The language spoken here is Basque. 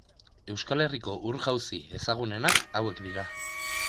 Euskal Herriko ur-jauzi ezagunenak hauek dira.